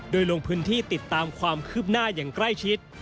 โดยลงพื้นที่ติดตามความคืบหน้าอย่างใกล้ชิด